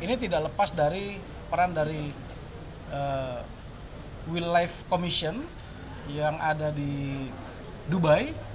ini tidak lepas dari peran dari willife commission yang ada di dubai